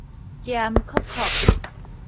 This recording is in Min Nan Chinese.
鹹硞硞